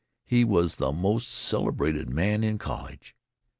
He was the most celebrated man in college.